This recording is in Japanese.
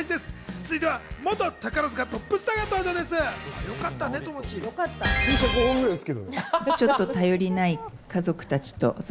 続いては元宝塚トップスターが登場でございます。